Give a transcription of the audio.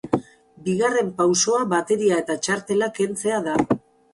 Bigarren pausoa bateria eta txartelak kentzea da.